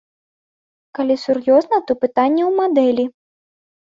Калі сур'ёзна, то пытанне ў мадэлі.